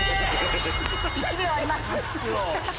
「１秒あります」